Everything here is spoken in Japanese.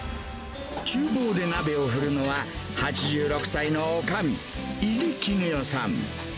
ちゅう房で鍋を振るうのは８６歳のおかみ、井手絹代さん。